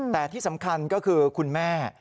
แต่ที่สำคัญก็คือคุณแม่